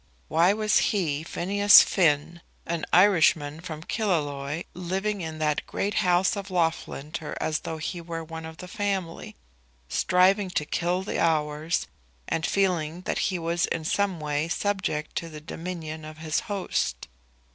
Why was he, Phineas Finn, an Irishman from Killaloe, living in that great house of Loughlinter as though he were one of the family, striving to kill the hours, and feeling that he was in some way subject to the dominion of his host?